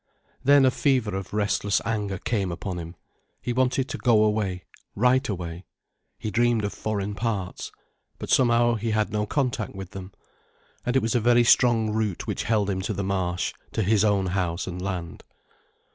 Then a fever of restless anger came upon him. He wanted to go away—right away. He dreamed of foreign parts. But somehow he had no contact with them. And it was a very strong root which held him to the Marsh, to his own house and land.